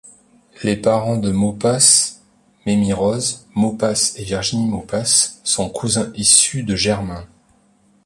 Les parents de Maupas, Memmie-Rose Maupas et Virginie Maupas, sont cousins issus de germains.